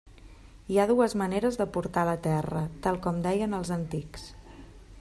Hi ha dues maneres de portar la terra, tal com deien els antics.